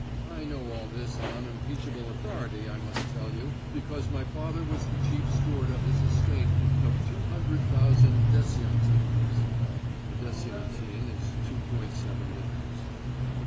I know all this on unimpeachable authority, I must tell you, because my father was the chief steward of his estate of two hundred thousand desiatines. A desiatin is 2.7 acres.